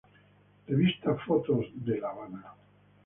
Revista Fotos de La Habana.